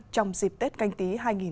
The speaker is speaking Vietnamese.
trong dịp tết canh tí hai nghìn hai mươi